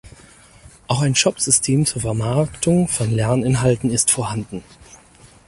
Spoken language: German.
Auch ein Shop-System zur Vermarktung von Lerninhalten ist vorhanden.